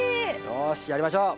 よしやりましょう！